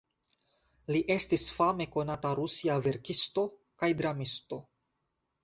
Li estis fame konata rusia verkisto kaj dramisto.